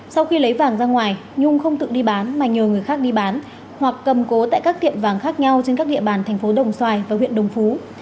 sau khi lấy vàng ra ngoài nhung không tự đi bán mà nhờ người khác đi bán hoặc cầm cố tại các tiệm vàng khác nhau trên các địa bàn thành phố đồng xoài và huyện đồng phú